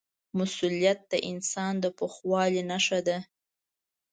مسؤلیت د انسان د پوخوالي نښه ده.